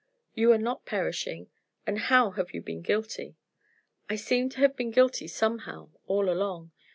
"You are not perishing, and how have you been guilty." "I seem to have been guilty, somehow, all along.